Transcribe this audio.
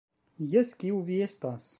Jes, kiu vi estas?